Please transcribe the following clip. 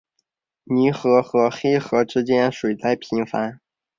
泥河和黑河之间水灾频繁。